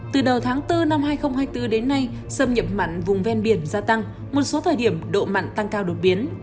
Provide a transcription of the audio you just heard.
từ đầu tháng bốn năm hai nghìn hai mươi bốn đến nay xâm nhập mặn vùng ven biển gia tăng một số thời điểm độ mặn tăng cao đột biến